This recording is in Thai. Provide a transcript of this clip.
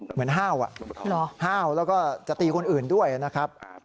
ห้าวห้าวแล้วก็จะตีคนอื่นด้วยนะครับ